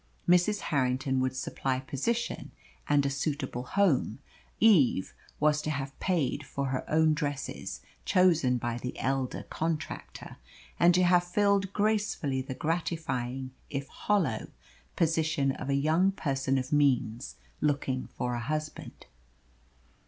Mrs. Harrington would supply position and a suitable home Eve was to have paid for her own dresses chosen by the elder contractor and to have filled gracefully the gratifying, if hollow, position of a young person of means looking for a husband.